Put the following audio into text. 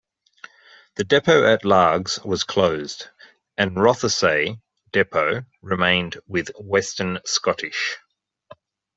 The depot at Largs was closed, and Rothesay depot remained with Western Scottish.